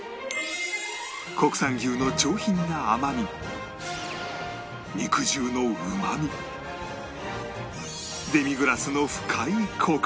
国産牛の上品な甘み肉汁のうまみデミグラスの深いコク